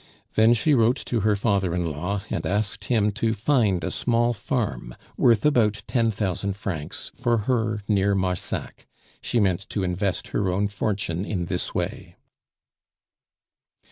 Then she wrote to her father in law and asked him to find a small farm, worth about ten thousand francs, for her near Marsac. She meant to invest her own fortune in this way.